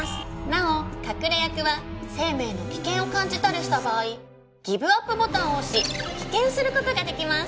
「なお隠れ役は生命の危険を感じたりした場合ギブアップボタンを押し棄権する事ができます」